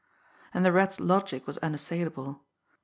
And the Rat's logic was unassailable.